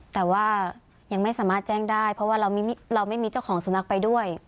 แต่ว่ายังไม่สามารถแจ้งได้เพราะว่าเราไม่มีเจ้าของสุนัขไปด้วย